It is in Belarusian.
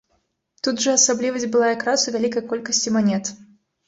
Тут жа асаблівасць была якраз у вялікай колькасці манет.